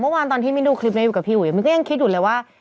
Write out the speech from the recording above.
เมื่อวานตอนที่มิดูคลิปนี้กับพี่หูยมิก็ยังคิดอยู่เลยว่า